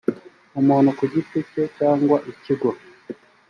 umuntu ku giti cye cyangwa ikigo